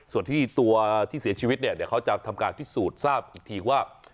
ส่วนที่ตัวที่เสียชีวิตเนี่ยเขาจะทำการที่สูตรทราบอีกทีว่า